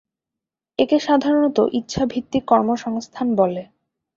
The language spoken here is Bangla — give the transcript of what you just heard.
একে সাধারণত ইচ্ছা-ভিত্তিক কর্মসংস্থান বলে।